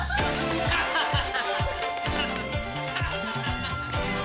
ハハハハ！